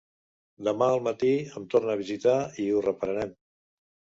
Demà al matí em torna a visitar i ho reprenem.